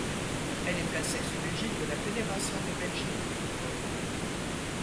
Elle est placée sous l'égide de la Fédération de Belgique de football.